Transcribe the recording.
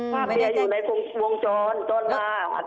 เมียอยู่ในวงจรตอนมา